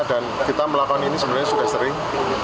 dan kita melakukan ini sebenarnya sudah sering